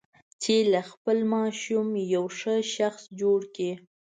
چې له خپل ماشوم یو ښه شخص جوړ کړي.